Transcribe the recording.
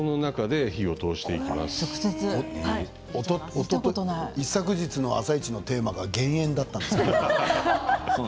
おとといの「あさイチ」のテーマが、減塩だったんです。